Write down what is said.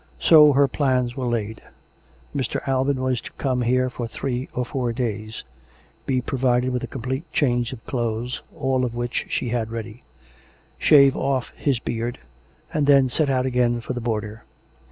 So her plans were laid. Mr. Alban was to come here for three or four days; be provided with a complete change of clothes (all of which she had ready) ; shave off his beard; and then set out again for the border.